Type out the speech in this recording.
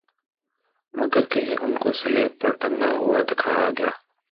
مگر کہیں انکو صلیب پر ٹنگا ہوا دکھایا گیا